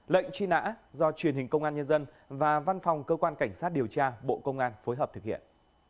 lệnh truy nã do truyền hình công an nhân dân và văn phòng cơ quan cảnh sát điều tra bộ công an phối hợp thực hiện